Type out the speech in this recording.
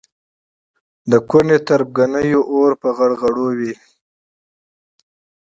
د ګوندي تربګنیو اور په غړغړو وي.